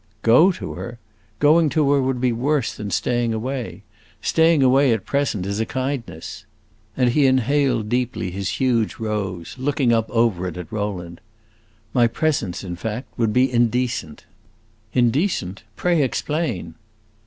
"Go to her? Going to her would be worse than staying away. Staying away at present is a kindness." And he inhaled deeply his huge rose, looking up over it at Rowland. "My presence, in fact, would be indecent." "Indecent? Pray explain."